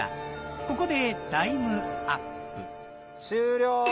ここでタイムアップ終了！